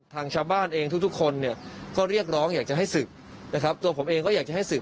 ทางชาวบ้านเองทุกทุกคนเนี่ยก็เรียกร้องอยากจะให้ศึกนะครับตัวผมเองก็อยากจะให้สืบ